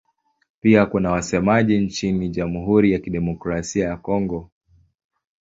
Pia kuna wasemaji nchini Jamhuri ya Kidemokrasia ya Kongo.